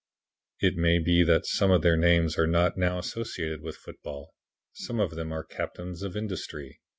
It may be that some of their names are not now associated with football. Some of them are captains of industry.